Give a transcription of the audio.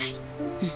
うん。